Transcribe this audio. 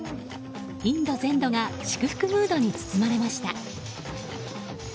インド全土が祝福ムードに包まれました。